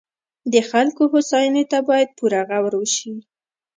د خلکو هوساینې ته باید پوره غور وشي.